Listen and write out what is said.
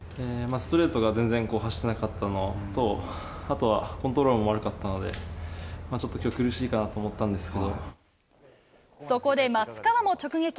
ストレートが全然走ってなかったのと、あとはコントロールも悪かったので、ちょっときょう、そこで松川も直撃。